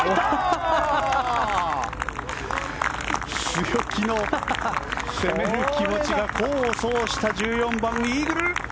強気の攻める気持ちが功を奏した１４番、イーグル！